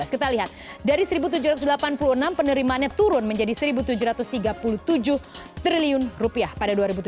kita lihat dari satu tujuh ratus delapan puluh enam penerimaannya turun menjadi satu tujuh ratus tiga puluh tujuh triliun rupiah pada dua ribu tujuh belas